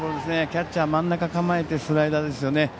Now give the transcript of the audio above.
キャッチャー、真ん中構えてスライダーでしたよね。